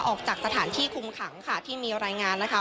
ออกจากสถานที่คุมขังค่ะที่มีรายงานนะคะ